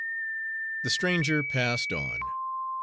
The stranger passed on.